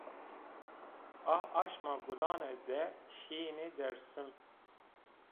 A aşma gulane de şîye Dêrsim